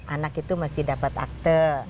anak itu masih dapat akte